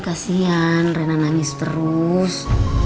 kasihan rena nangis terus